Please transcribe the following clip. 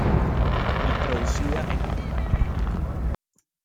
Introducida en Alemania.